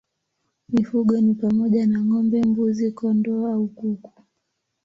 Mifugo ni pamoja na ng'ombe, mbuzi, kondoo na kuku.